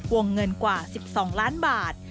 วงเงินกว่า๑๒ล้านบาท